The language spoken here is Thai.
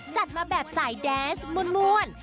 จัดมาแบบสายแดนส์ม่วน